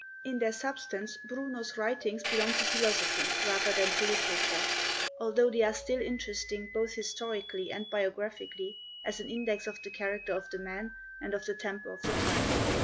In their substance Bruno's writings belong to philosophy rather than to literature, although they are still interesting both historically and biographically as an index of the character of the man and of the temper of the time.